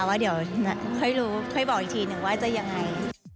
ว่าเดี๋ยวค่อยรู้ค่อยบอกอีกทีหนึ่งว่าจะยังไง